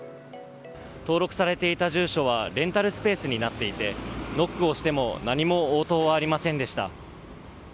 登録されていた住所はレンタルスペースになっていてノックをしても何も応答はありませんでした。